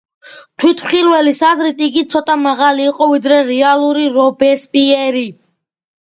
თვითმხილველის აზრით იგი ცოტა მაღალი იყო ვიდრე რეალური რობესპიერი.